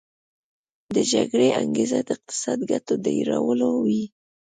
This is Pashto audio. د جګړې انګیزه د اقتصادي ګټو ډیرول وي